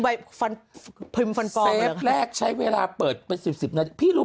ไว้ฟันฟิมฟันฟองแรกใช้เวลาเปิดเป็นสิบสิบนาทีพี่รู้